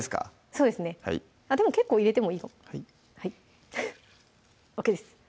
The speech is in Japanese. そうですねでも結構入れてもいいかもＯＫです